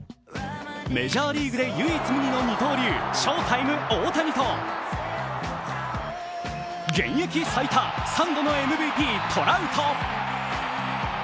メジャーリーグで唯一無二の二刀流、翔タイム・大谷と現役最多３度のＭＶＰ、トラウト。